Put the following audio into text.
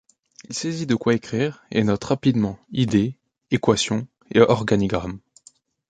Il saisit de quoi écrire, et note rapidement idées, équations et organigrammes.